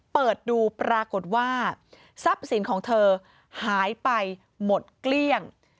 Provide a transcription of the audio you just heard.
เปิดดูปรากฏว่าทรัพย์สินของเธอหายไปหมดเกลี้ยง